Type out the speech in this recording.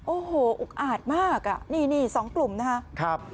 โอ้โหอุกอาจมากอ่ะนี่สองกลุ่มนะครับ